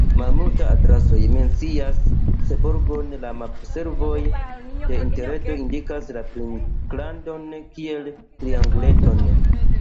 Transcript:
Malmultaj atlasoj mencias Seborgon; la mapservoj de Interreto indikas la princlandon kiel trianguleton.